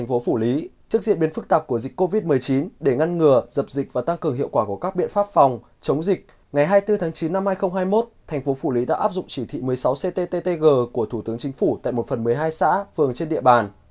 trước diễn biến ngày hai mươi bốn tháng chín năm hai nghìn hai mươi một thành phố phủ lý đã áp dụng chỉ thị một mươi sáu cttg của thủ tướng chính phủ tại một phần một mươi hai xã phường trên địa bàn